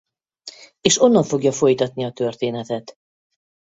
És onnan fogja folytatni a történetet.